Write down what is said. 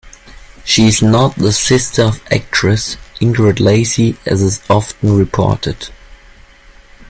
She is not the sister of actress Ingrid Lacey as is often reported.